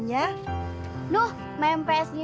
saya sudah beli exporting banco untuk diri